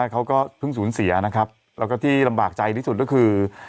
เขาก็เพิ่งสูญเสียนะครับแล้วก็ที่ลำบากใจที่สุดก็คือ